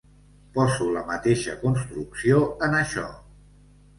Poso la mateixa construcció en això.